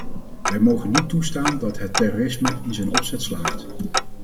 Wij mogen niet toestaan dat het terrorisme in zijn opzet slaagt.